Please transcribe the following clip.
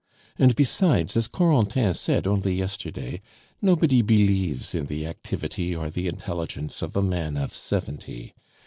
And besides, as Corentin said only yesterday, nobody believes in the activity or the intelligence of a man of seventy.